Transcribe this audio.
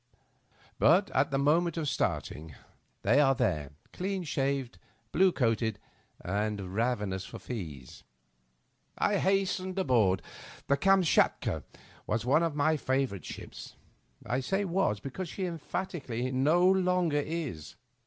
But, at the moment of starting, they are there, deauHshaved, blue coated, and ravenous for fees. I hast ened on board. The Kamt8ch(UJca was one of my favor ite ships. I say was, because she emphatically no longer is.